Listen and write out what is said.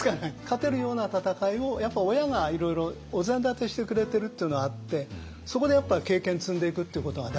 勝てるような戦いを親がいろいろお膳立てしてくれてるっていうのはあってそこでやっぱ経験積んでいくっていうことが大事ですね。